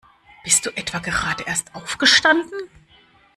Bist du etwa gerade erst aufgestanden?